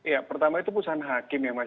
ya pertama itu putusan hakim ya mas